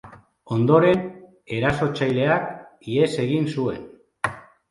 Ondoren erasotzaileak ihes egin zuen.